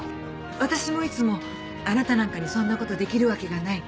私もいつも「あなたなんかにそんなことできるわけがない」